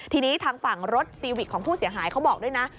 ทีนี้ทางฝั่งรถซีวิกของผู้เสียหายเขาบอกด้วยนะ